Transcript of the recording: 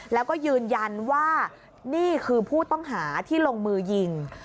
แล้วก็ยืนยันว่านี่คือผู้ต้องหาที่ลงมือยิง